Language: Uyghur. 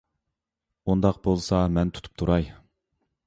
ئۇنداق بولسا مەن تۇرۇپ تۇراي.